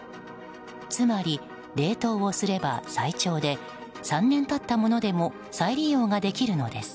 つまり冷凍をすれば最長で３年経ったものでも再利用ができるのです。